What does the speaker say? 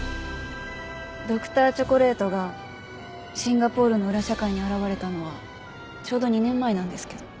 Ｄｒ．チョコレートがシンガポールの裏社会に現れたのはちょうど２年前なんですけど。